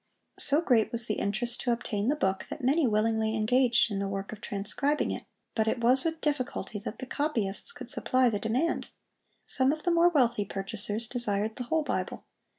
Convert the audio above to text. So great was the interest to obtain the book, that many willingly engaged in the work of transcribing it, but it was with difficulty that the copyists could supply the demand. Some of the more wealthy purchasers desired the whole Bible.